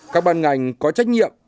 các ban ngành có trách nhiệm